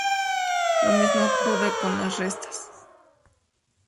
Lo mismo ocurre con las restas.